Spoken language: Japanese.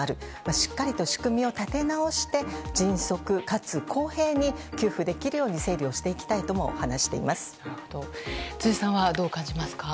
しっかりと仕組みを立て直して、迅速かつ公平に給付できるように整理をしていきたいとも話してい辻さんはどう感じますか。